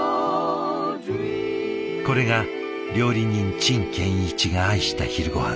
これが料理人陳建一が愛した昼ごはん。